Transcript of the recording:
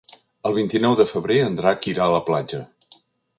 El vint-i-nou de febrer en Drac irà a la platja.